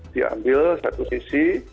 diambil satu sisi